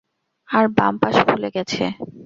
আর বাম পাশ ফুলে গেছে।